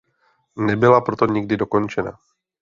Nebyla proto nikdy dokončena.